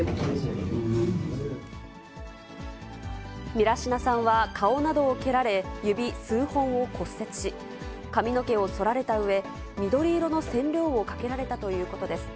ミラシナさんは顔などを蹴られ、指数本を骨折し、髪の毛をそられたうえ、緑色の染料をかけられたということです。